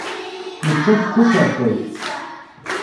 Nettat d tasertayt.